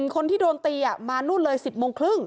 คนที่โดนตีมานู่นเลย๑๐โมงครึ่ง